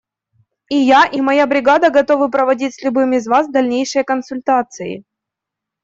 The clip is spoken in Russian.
И я, и моя бригада готовы проводить с любым из вас дальнейшие консультации.